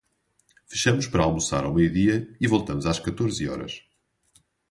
Fechamos para almoçar ao meio-dia e voltamos às quatorze horas.